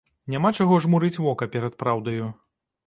Няма чаго жмурыць вока перад праўдаю.